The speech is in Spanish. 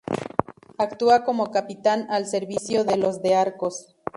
Actúa como capitán al servicio de los de Arcos.